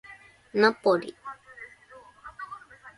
ナポリ